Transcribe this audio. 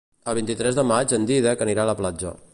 El vint-i-tres de maig en Dídac anirà a la platja.